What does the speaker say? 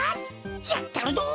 やったるぞ！